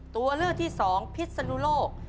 ตัวเลือกที่๒พิษนุโลก